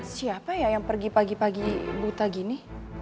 siapa ya yang pergi pagi pagi buta gini